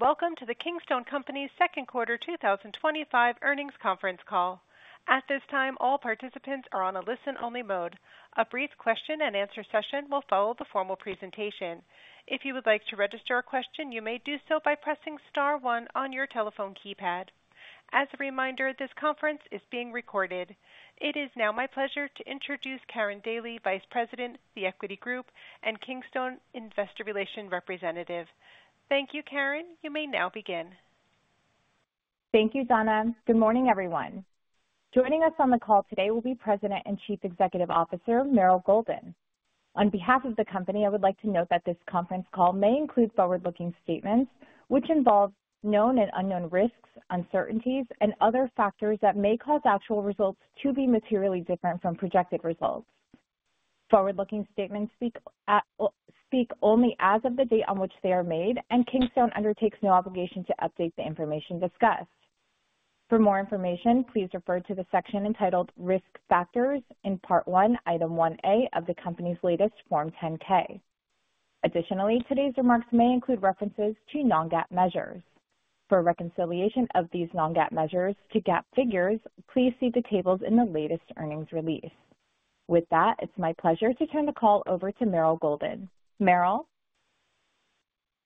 Meetings and welcome to the Kingstone Companies Second Quarter 2025 Earnings Conference Call. At this time, all participants are on a listen-only mode. A brief question and answer session will follow the formal presentation. If you would like to register a question, you may do so by pressing star one on your telephone keypad. As a reminder, this conference is being recorded. It is now my pleasure to introduce Karin Daly, Vice President, The Equity Group Inc., and Kingstone Investor Relations Representative. Thank you, Karin. You may now begin. Thank you, Donna. Good morning, everyone. Joining us on the call today will be President and Chief Executive Officer Meryl Golden. On behalf of the company, I would like to note that this conference call may include forward-looking statements, which involve known and unknown risks, uncertainties, and other factors that may cause actual results to be materially different from projected results. Forward-looking statements speak only as of the date on which they are made, and Kingstone undertakes no obligation to update the information discussed. For more information, please refer to the section entitled Risk Factors in Part 1, Item 1A of the company's latest Form 10-K. Additionally, today's remarks may include references to non-GAAP measures. For reconciliation of these non-GAAP measures to GAAP figures, please see the tables in the latest earnings release. With that, it's my pleasure to turn the call over to Meryl Golden. Meryl?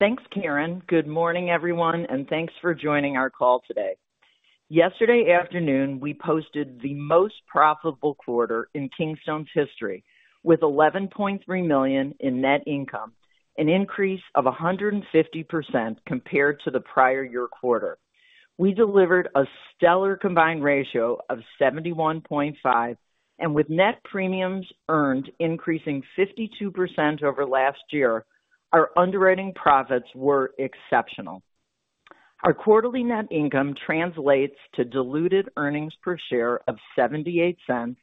Thanks, Karin. Good morning, everyone, and thanks for joining our call today. Yesterday afternoon, we posted the most profitable quarter in Kingstone's history, with $11.3 million in net income, an increase of 150% compared to the prior year quarter. We delivered a stellar combined ratio of 71.5%, and with net premiums earned increasing 52% over last year, our underwriting profits were exceptional. Our quarterly net income translates to diluted earnings per share of $0.78,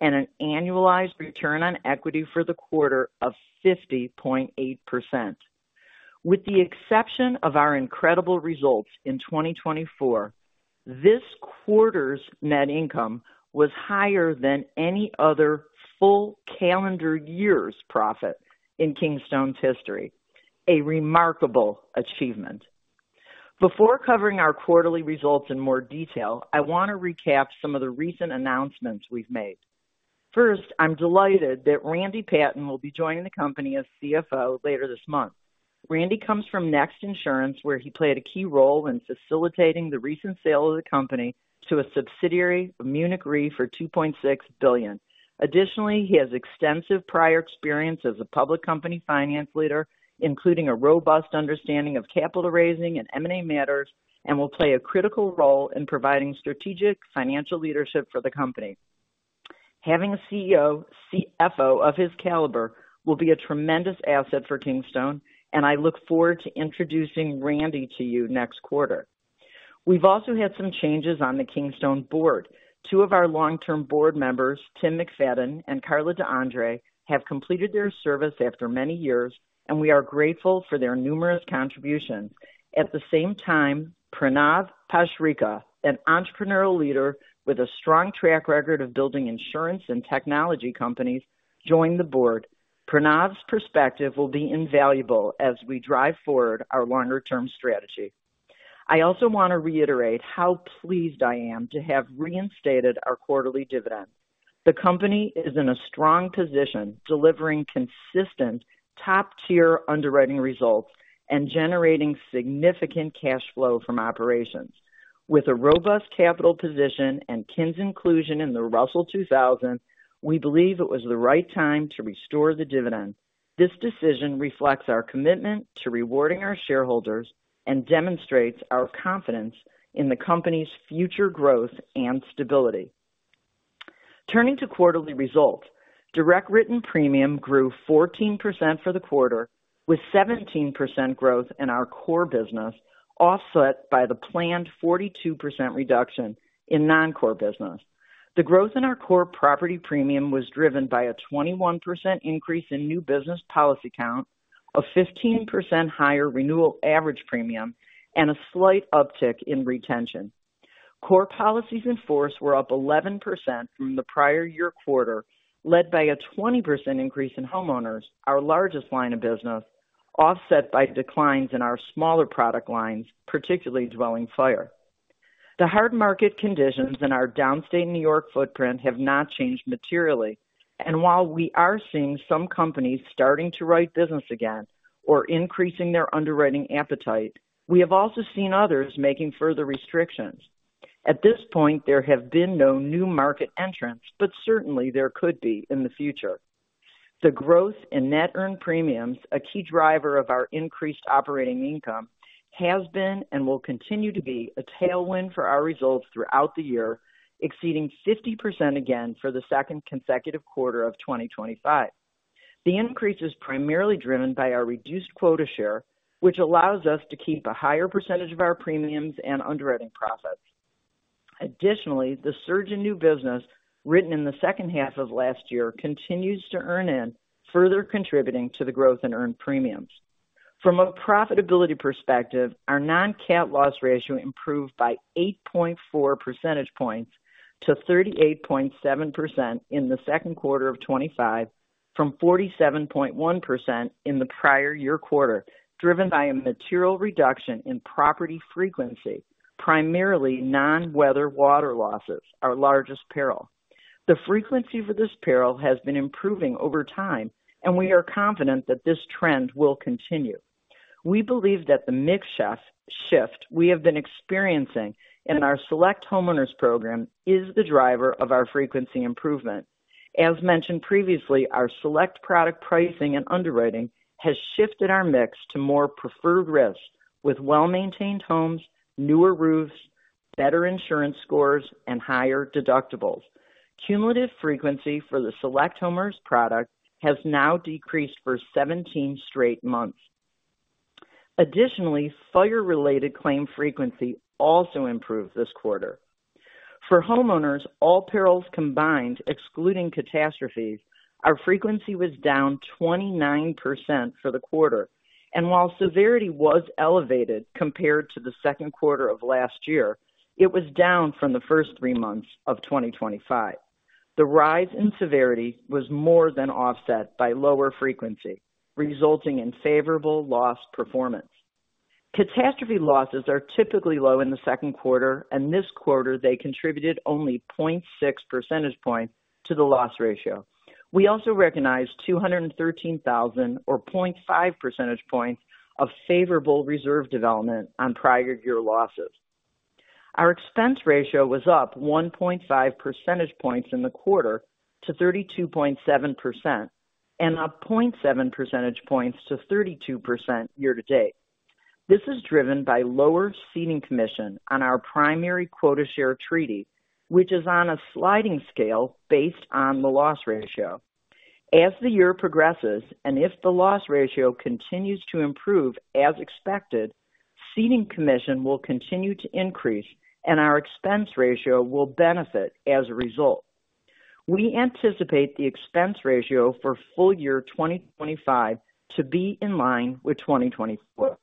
and an annualized return on equity for the quarter of 50.8%. With the exception of our incredible results in 2024, this quarter's net income was higher than any other full calendar year's profit in Kingstone's history. A remarkable achievement. Before covering our quarterly results in more detail, I want to recap some of the recent announcements we've made. First, I'm delighted that Randy Patten will be joining the company as CFO later this month. Randy comes from NEXT Insurance, where he played a key role in facilitating the recent sale of the company to a subsidiary of Munich Re for $2.6 billion. Additionally, he has extensive prior experience as a public company finance leader, including a robust understanding of capital raising and M&A matters, and will play a critical role in providing strategic financial leadership for the company. Having a CFO of his caliber will be a tremendous asset for Kingstone, and I look forward to introducing Randy to you next quarter. We've also had some changes on the Kingstone Companies Inc. board. Two of our long-term board members, Tim McFadden and Carla D'Andre, have completed their service after many years, and we are grateful for their numerous contributions. At the same time, Pranav Pasricha, an entrepreneurial leader with a strong track record of building insurance and technology companies, joined the board. Pranav's perspective will be invaluable as we drive forward our longer-term strategy. I also want to reiterate how pleased I am to have reinstated our quarterly dividend. The company is in a strong position, delivering consistent top-tier underwriting results and generating significant cash flow from operations. With a robust capital position and Kingstone's inclusion in the Russell 2000 Index, we believe it was the right time to restore the dividend. This decision reflects our commitment to rewarding our shareholders and demonstrates our confidence in the company's future growth and stability. Turning to quarterly results, direct written premium grew 14% for the quarter, with 17% growth in our core business, offset by the planned 42% reduction in non-core business. The growth in our core property premium was driven by a 21% increase in new business policy count, a 15% higher renewal average premium, and a slight uptick in retention. Core policies in force were up 11% from the prior year quarter, led by a 20% increase in homeowners, our largest line of business, offset by declines in our smaller product lines, particularly dwelling fire. The hard market conditions in our downstate New York footprint have not changed materially, and while we are seeing some companies starting to write business again or increasing their underwriting appetite, we have also seen others making further restrictions. At this point, there have been no new market entrants, but certainly there could be in the future. The growth in net earned premiums, a key driver of our increased operating income, has been and will continue to be a tailwind for our results throughout the year, exceeding 50% again for the second consecutive quarter of 2025. The increase is primarily driven by our reduced quota share, which allows us to keep a higher percentage of our premiums and underwriting profits. Additionally, the surge in new business written in the second half of last year continues to earn in, further contributing to the growth in earned premiums. From a profitability perspective, our non-cat loss ratio improved by 8.4 percentage points to 38.7% in the second quarter of 2025, from 47.1% in the prior year quarter, driven by a material reduction in property frequency, primarily non-weather water losses, our largest peril. The frequency for this peril has been improving over time, and we are confident that this trend will continue. We believe that the mix shift we have been experiencing in our Select Homeowners program is the driver of our frequency improvement. As mentioned previously, our Select product pricing and underwriting has shifted our mix to more preferred risks, with well-maintained homes, newer roofs, better insurance scores, and higher deductibles. Cumulative frequency for the Select Homeowners product has now decreased for 17 straight months. Additionally, fire-related claim frequency also improved this quarter. For homeowners, all perils combined, excluding catastrophes, our frequency was down 29% for the quarter, and while severity was elevated compared to the second quarter of last year, it was down from the first three months of 2025. The rise in severity was more than offset by lower frequency, resulting in favorable loss performance. Catastrophe losses are typically low in the second quarter, and this quarter, they contributed only 0.6% to the loss ratio. We also recognize $213,000, or 0.5%, of favorable reserve development on prior year losses. Our expense ratio was up 1.5 percentage points in the quarter to 32.7% and up 0.7 percentage points to 32% year to date. This is driven by lower ceding commission on our primary quota share treaty, which is on a sliding scale based on the loss ratio. As the year progresses, and if the loss ratio continues to improve as expected, ceding commission will continue to increase, and our expense ratio will benefit as a result. We anticipate the expense ratio for full year 2025 to be in line with 2024.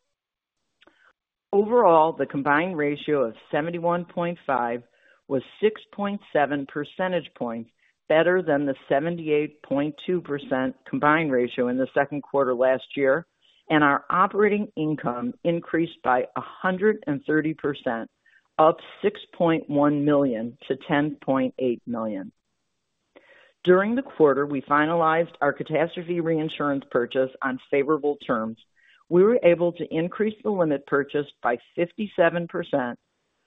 Overall, the combined ratio of 71.5 was 6.7 percentage points better than the 78.2% combined ratio in the second quarter last year, and our operating income increased by 130%, up $6.1 million to $10.8 million. During the quarter, we finalized our catastrophe reinsurance purchase on favorable terms. We were able to increase the limit purchased by 57%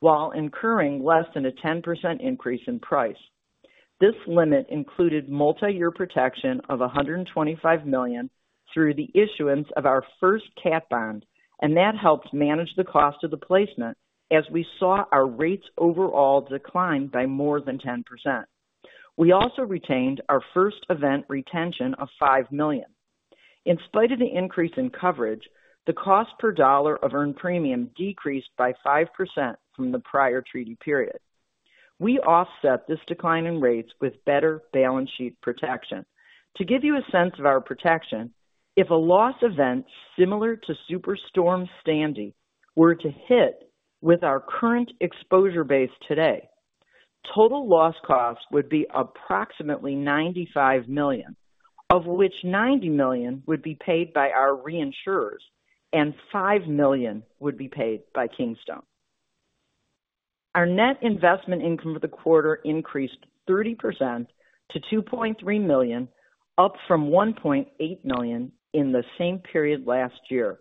while incurring less than a 10% increase in price. This limit included multi-year protection of $125 million through the issuance of our first CAT bond, and that helped manage the cost of the placement as we saw our rates overall decline by more than 10%. We also retained our first event retention of $5 million. In spite of the increase in coverage, the cost per dollar of earned premium decreased by 5% from the prior treaty period. We offset this decline in rates with better balance sheet protection. To give you a sense of our protection, if a loss event similar to Superstorm Sandy were to hit with our current exposure base today, total loss costs would be approximately $95 million, of which $90 million would be paid by our reinsurers, and $5 million would be paid by Kingstone. Our net investment income for the quarter increased 30% to $2.3 million, up from $1.8 million in the same period last year.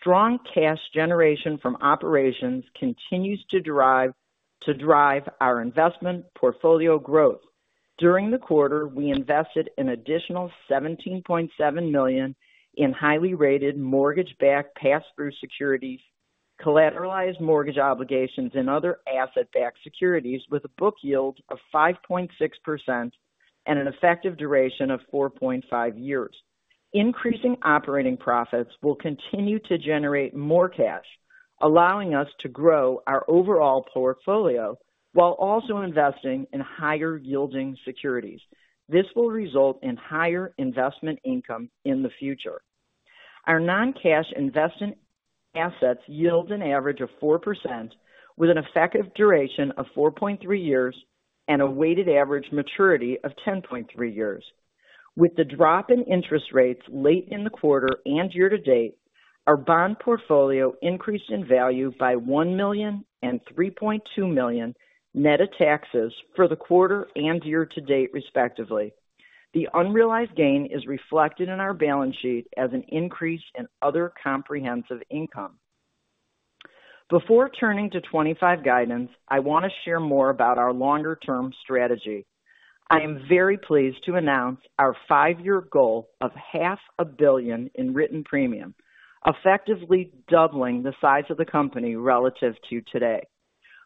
Strong cash generation from operations continues to drive our investment portfolio growth. During the quarter, we invested an additional $17.7 million in highly rated mortgage-backed pass-through securities, collateralized mortgage obligations, and other asset-backed securities with a book yield of 5.6% and an effective duration of 4.5 years. Increasing operating profits will continue to generate more cash, allowing us to grow our overall portfolio while also investing in higher yielding securities. This will result in higher investment income in the future. Our non-cash investment assets yield an average of 4% with an effective duration of 4.3 years and a weighted average maturity of 10.3 years. With the drop in interest rates late in the quarter and year to date, our bond portfolio increased in value by $1 million and $3.2 million net of taxes for the quarter and year to date, respectively. The unrealized gain is reflected in our balance sheet as an increase in other comprehensive income. Before turning to 2025 guidance, I want to share more about our longer-term strategy. I am very pleased to announce our five-year goal of half a billion in written premium, effectively doubling the size of the company relative to today.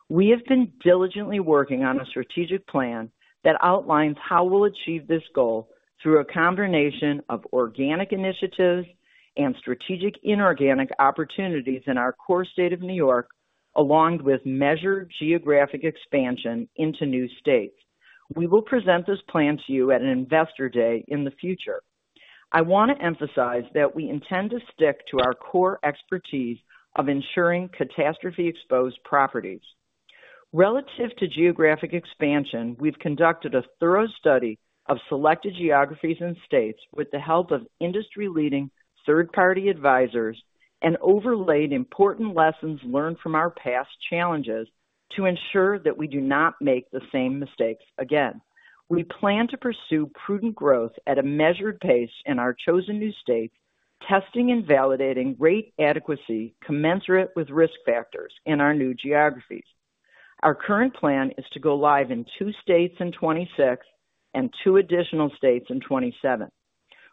We have been diligently working on a strategic plan that outlines how we'll achieve this goal through a combination of organic initiatives and strategic inorganic opportunities in our core state of New York, along with measured geographic expansion into new states. We will present this plan to you at an Investor Day in the future. I want to emphasize that we intend to stick to our core expertise of insuring catastrophe-exposed properties. Relative to geographic expansion, we've conducted a thorough study of selected geographies and states with the help of industry-leading third-party advisors and overlaid important lessons learned from our past challenges to ensure that we do not make the same mistakes again. We plan to pursue prudent growth at a measured pace in our chosen new states, testing and validating rate adequacy commensurate with risk factors in our new geographies. Our current plan is to go live in two states in 2026 and two additional states in 2027.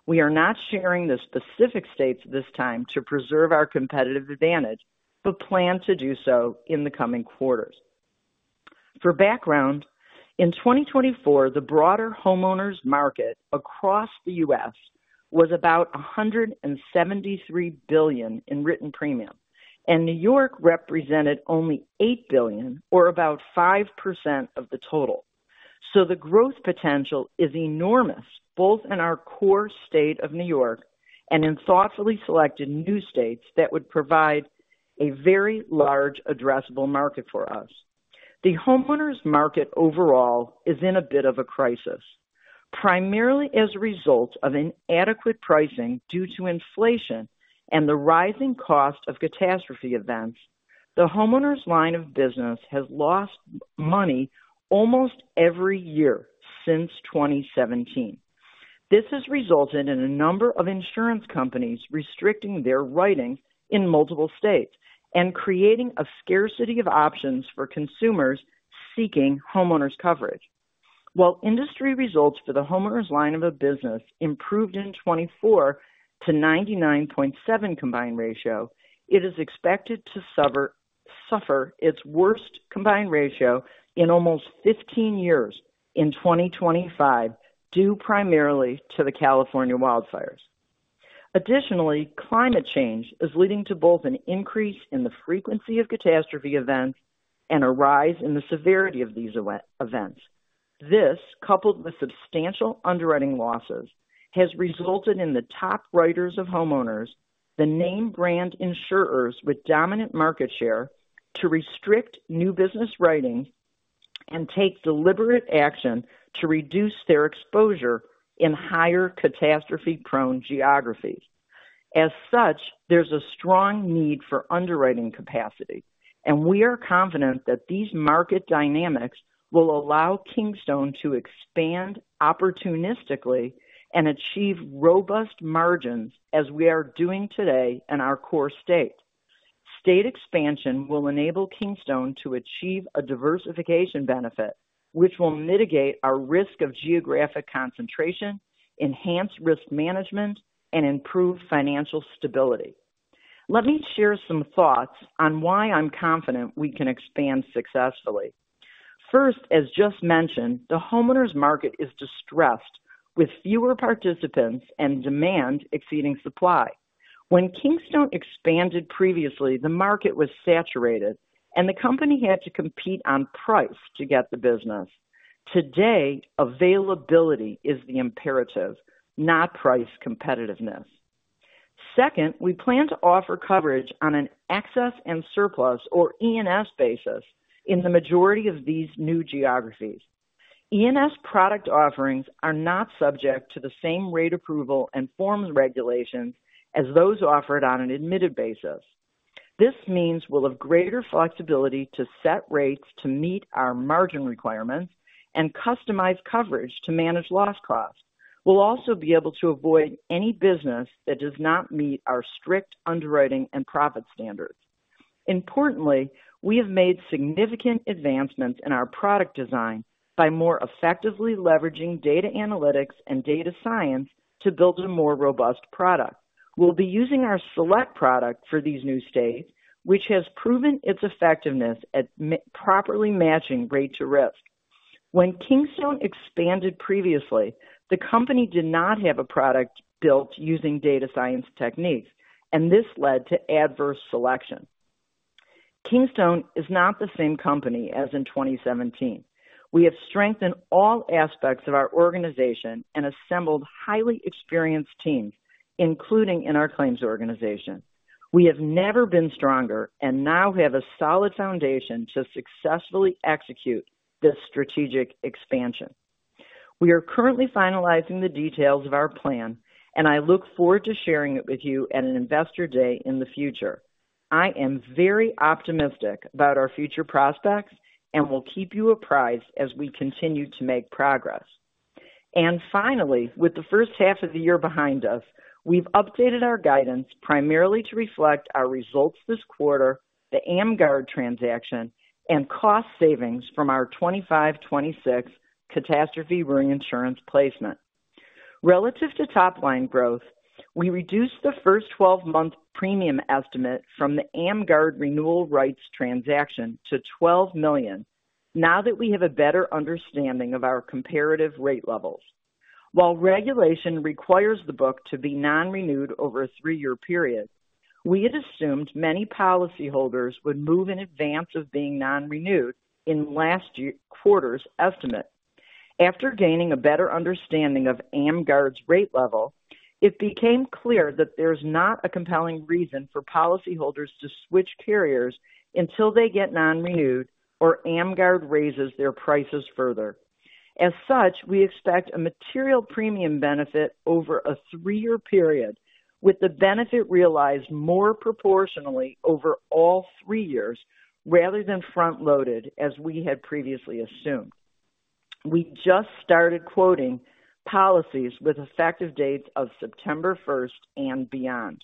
We are not sharing the specific states this time to preserve our competitive advantage, but plan to do so in the coming quarters. For background, in 2024, the broader homeowners market across the U.S. was about $173 billion in written premium, and New York represented only $8 billion, or about 5% of the total. The growth potential is enormous, both in our core state of New York and in thoughtfully selected new states that would provide a very large addressable market for us. The homeowners market overall is in a bit of a crisis, primarily as a result of inadequate pricing due to inflation and the rising cost of catastrophe events. The homeowners line of business has lost money almost every year since 2017. This has resulted in a number of insurance companies restricting their writing in multiple states and creating a scarcity of options for consumers seeking homeowners coverage. While industry results for the homeowners line of business improved in 2024 to a 99.7% combined ratio, it is expected to suffer its worst combined ratio in almost 15 years in 2025, due primarily to the California wildfires. Additionally, climate change is leading to both an increase in the frequency of catastrophe events and a rise in the severity of these events. This, coupled with substantial underwriting losses, has resulted in the top writers of homeowners, the name brand insurers with dominant market share, to restrict new business writing and take deliberate action to reduce their exposure in higher catastrophe-prone geographies. There is a strong need for underwriting capacity, and we are confident that these market dynamics will allow Kingstone to expand opportunistically and achieve robust margins as we are doing today in our core state. State expansion will enable Kingstone to achieve a diversification benefit, which will mitigate our risk of geographic concentration, enhance risk management, and improve financial stability. Let me share some thoughts on why I'm confident we can expand successfully. First, as just mentioned, the homeowners market is distressed, with fewer participants and demand exceeding supply. When Kingstone expanded previously, the market was saturated, and the company had to compete on price to get the business. Today, availability is the imperative, not price competitiveness. Second, we plan to offer coverage on an excess and surplus, or E&S, basis in the majority of these new geographies. E&S product offerings are not subject to the same rate approval and forms regulations as those offered on an admitted basis. This means we'll have greater flexibility to set rates to meet our margin requirements and customize coverage to manage loss costs. We'll also be able to avoid any business that does not meet our strict underwriting and profit standards. Importantly, we have made significant advancements in our product design by more effectively leveraging data analytics and data science to build a more robust product. We'll be using our Select product for these new states, which has proven its effectiveness at properly matching rate to risk. When Kingstone Companies Inc. expanded previously, the company did not have a product built using data science techniques, and this led to adverse selection. Kingstone is not the same company as in 2017. We have strengthened all aspects of our organization and assembled highly experienced teams, including in our claims organization. We have never been stronger and now have a solid foundation to successfully execute this strategic expansion. We are currently finalizing the details of our plan, and I look forward to sharing it with you at an Investor Day in the future. I am very optimistic about our future prospects and will keep you apprised as we continue to make progress. Finally, with the first half of the year behind us, we've updated our guidance primarily to reflect our results this quarter, the Amguard transaction, and cost savings from our 2025-2026 catastrophe reinsurance placement. Relative to top line growth, we reduced the first 12-month premium estimate from the Amguard renewal rights transaction to $12 million, now that we have a better understanding of our comparative rate levels. While regulation requires the book to be non-renewed over a three-year period, we had assumed many policyholders would move in advance of being non-renewed in last quarter's estimate. After gaining a better understanding of Amguard's rate level, it became clear that there's not a compelling reason for policyholders to switch carriers until they get non-renewed or Amguard raises their prices further. As such, we expect a material premium benefit over a three-year period, with the benefit realized more proportionally over all three years rather than front-loaded as we had previously assumed. We just started quoting policies with effective dates of September 1st and beyond.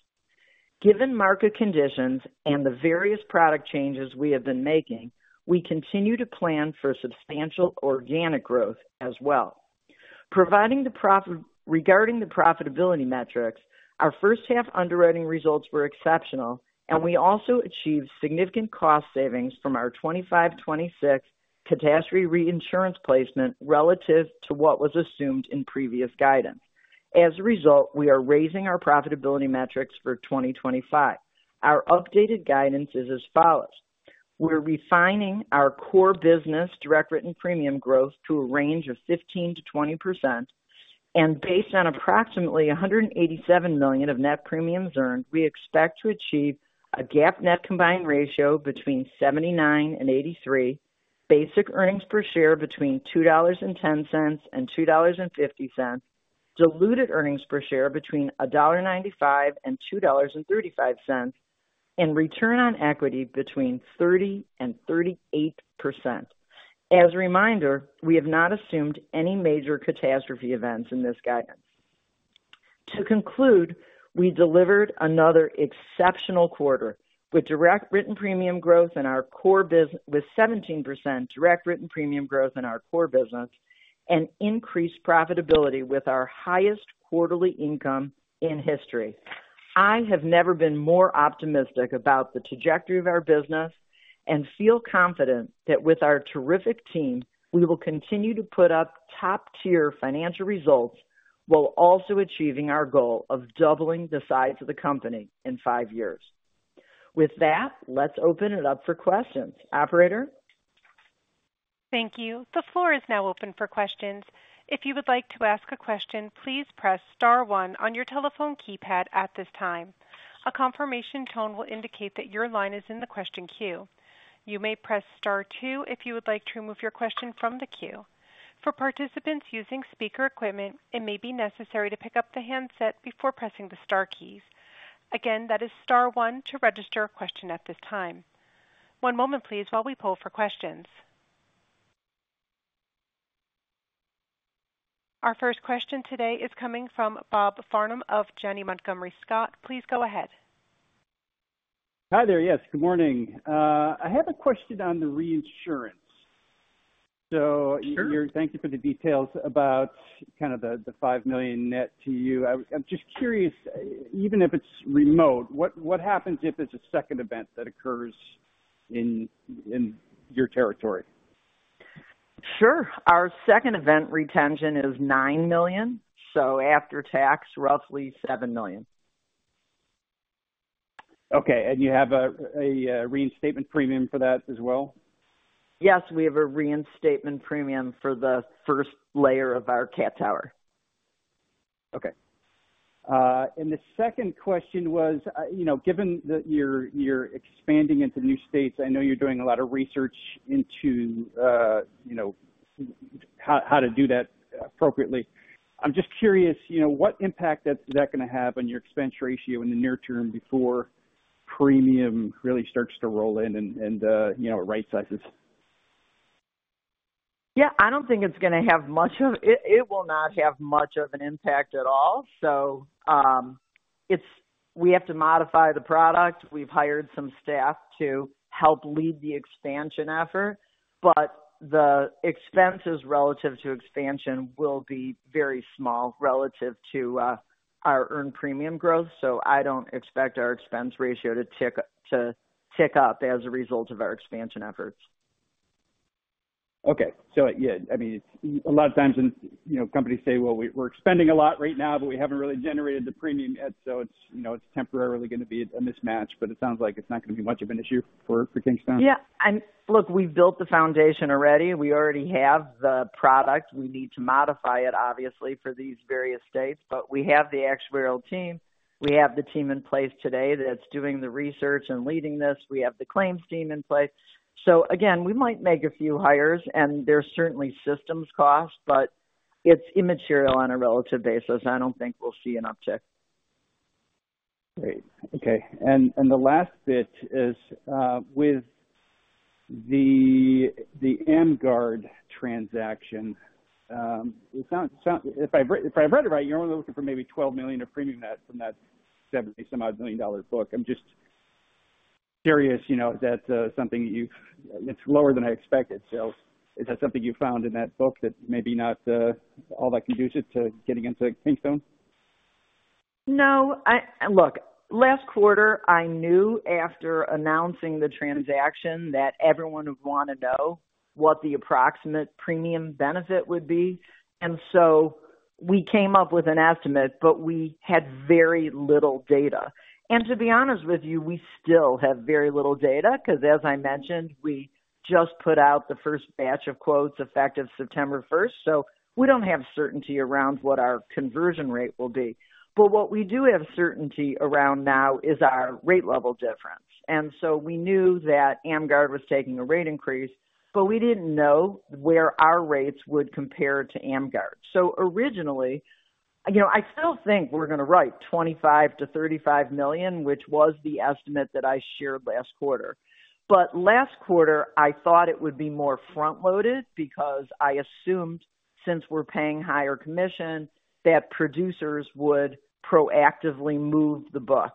Given market conditions and the various product changes we have been making, we continue to plan for substantial organic growth as well. Regarding the profitability metrics, our first half underwriting results were exceptional, and we also achieved significant cost savings from our 2025-2026 catastrophe reinsurance placement relative to what was assumed in previous guidance. As a result, we are raising our profitability metrics for 2025. Our updated guidance is as follows: We're refining our core business direct written premium growth to a range of 15%-20%, and based on approximately $187 million of net premiums earned, we expect to achieve a GAAP net combined ratio between 79% and 83%, basic earnings per share between $2.10 and $2.50, diluted earnings per share between $1.95 and $2.35, and return on equity between 30% and 38%. As a reminder, we have not assumed any major catastrophe events in this guidance. To conclude, we delivered another exceptional quarter with direct written premium growth in our core business, with 17% direct written premium growth in our core business, and increased profitability with our highest quarterly income in history. I have never been more optimistic about the trajectory of our business and feel confident that with our terrific team, we will continue to put up top-tier financial results while also achieving our goal of doubling the size of the company in five years. With that, let's open it up for questions. Operator? Thank you. The floor is now open for questions. If you would like to ask a question, please press star one on your telephone keypad at this time. A confirmation tone will indicate that your line is in the question queue. You may press star two if you would like to remove your question from the queue. For participants using speaker equipment, it may be necessary to pick up the handset before pressing the star keys. Again, that is star one to register a question at this time. One moment, please, while we poll for questions. Our first question today is coming from Bob Farnam of Janney Montgomery Scott. Please go ahead. Hi there. Yes, good morning. I have a question on the reinsurance. Sure. Thank you for the details about the $5 million net to you. I'm just curious, even if it's remote, what happens if there's a second event that occurs in your territory? Sure. Our second event retention is $9 million, so after tax, roughly $7 million. Okay. You have a reinstatement premium for that as well? Yes, we have a reinstatement premium for the first layer of our cat tower. Okay. The second question was, given that you're expanding into new states, I know you're doing a lot of research into how to do that appropriately. I'm just curious, what impact is that going to have on your expense ratio in the near term before premium really starts to roll in and it right-sizes? I don't think it's going to have much of it. It will not have much of an impact at all. We have to modify the product. We've hired some staff to help lead the expansion effort, but the expenses relative to expansion will be very small relative to our earned premium growth. I don't expect our expense ratio to tick up as a result of our expansion efforts. Okay. I mean, a lot of times, you know, companies say, we're expending a lot right now, but we haven't really generated the premium yet. It's temporarily going to be a mismatch, but it sounds like it's not going to be much of an issue for Kingstone. Yeah. Look, we've built the foundation already. We already have the product. We need to modify it, obviously, for these various states, but we have the actuarial team. We have the team in place today that's doing the research and leading this. We have the claims team in place. We might make a few hires, and there's certainly systems cost, but it's immaterial on a relative basis. I don't think we'll see an uptick. Great. Okay. The last bit is with the Amguard transaction. If I read it right, you're only looking for maybe $12 million of premium in that $70-some-odd million dollar book. I'm just curious, you know, is that something that you've, it's lower than I expected. Is that something you found in that book that maybe not all that conducive to getting into Kingstone? No. Last quarter, I knew after announcing the transaction that everyone would want to know what the approximate premium benefit would be. We came up with an estimate, but we had very little data. To be honest with you, we still have very little data because, as I mentioned, we just put out the first batch of quotes effective September 1st. We don't have certainty around what our conversion rate will be. What we do have certainty around now is our rate level difference. We knew that Amguard was taking a rate increase, but we didn't know where our rates would compare to Amguard. I still think we're going to write $25 million-$35 million, which was the estimate that I shared last quarter. Last quarter, I thought it would be more front-loaded because I assumed, since we're paying higher commission, that producers would proactively move the book.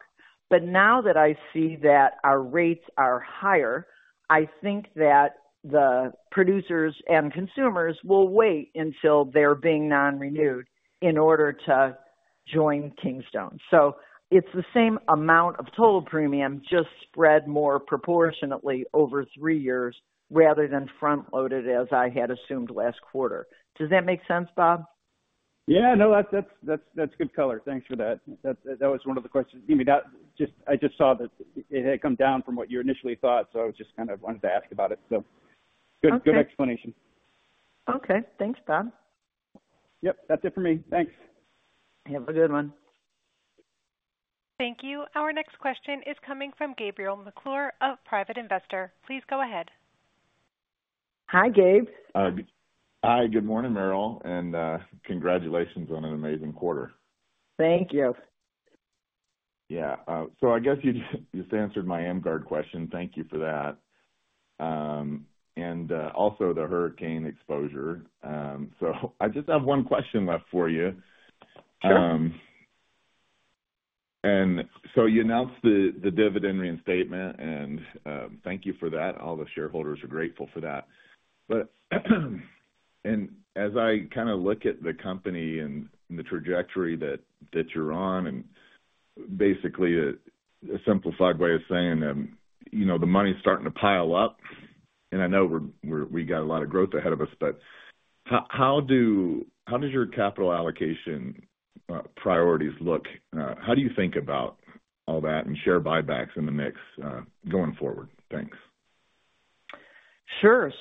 Now that I see that our rates are higher, I think that the producers and consumers will wait until they're being non-renewed in order to join Kingstone. It's the same amount of total premium, just spread more proportionately over three years rather than front-loaded as I had assumed last quarter. Does that make sense, Bob? Yeah, no, that's good color. Thanks for that. That was one of the questions. I just saw that it had come down from what you initially thought, so I just kind of wanted to ask about it. Good explanation. Okay, thanks, Bob. Yep, that's it for me. Thanks. Have a good one. Thank you. Our next question is coming from Gabriel McClure of Private Investor. Please go ahead. Hi, Gabe. Hi. Good morning, Meryl. Congratulations on an amazing quarter. Thank you. Yeah. I guess you just answered my Amguard question. Thank you for that, and also the hurricane exposure. I just have one question left for you. You announced the dividend reinstatement, and thank you for that. All the shareholders are grateful for that. As I kind of look at the company and the trajectory that you're on, basically a simplified way of saying, you know, the money's starting to pile up, and I know we've got a lot of growth ahead of us, how do your capital allocation priorities look? How do you think about all that and share buybacks in the mix going forward? Thanks. Sure.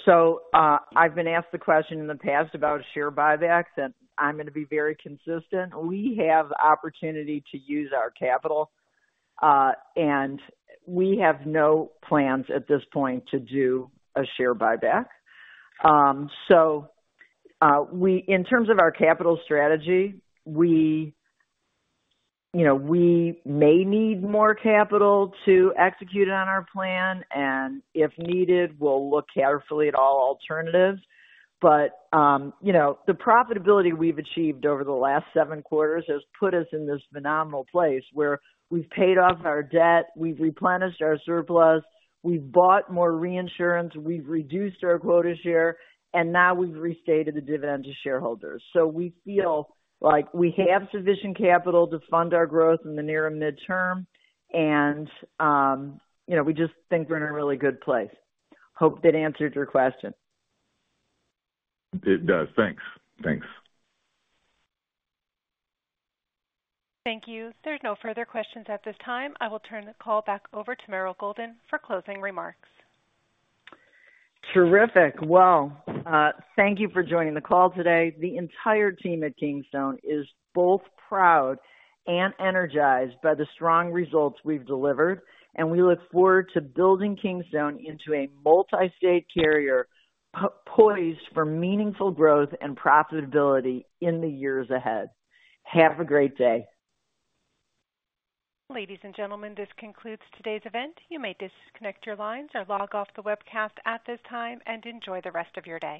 I've been asked the question in the past about share buybacks, and I'm going to be very consistent. We have the opportunity to use our capital, and we have no plans at this point to do a share buyback. In terms of our capital strategy, we may need more capital to execute on our plan, and if needed, we'll look carefully at all alternatives. The profitability we've achieved over the last seven quarters has put us in this phenomenal place where we've paid off our debt, we've replenished our surplus, we've bought more reinsurance, we've reduced our quota share, and now we've restated the dividend to shareholders. We feel like we have sufficient capital to fund our growth in the near and midterm, and we just think we're in a really good place. Hope that answered your question. It does. Thanks. Thank you. If there's no further questions at this time, I will turn the call back over to Meryl Golden for closing remarks. Thank you for joining the call today. The entire team at Kingstone is both proud and energized by the strong results we've delivered, and we look forward to building Kingstone into a multi-state carrier, poised for meaningful growth and profitability in the years ahead. Have a great day. Ladies and gentlemen, this concludes today's event. You may disconnect your lines or log off the webcast at this time and enjoy the rest of your day.